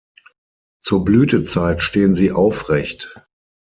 Zur Blütezeit stehen sie aufrecht.